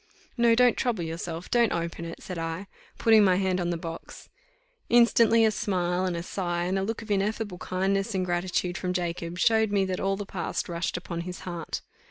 "No, don't trouble yourself don't open it," said I, putting my hand on the box. Instantly a smile, and a sigh, and a look of ineffable kindness and gratitude from Jacob, showed me that all the past rushed upon his heart.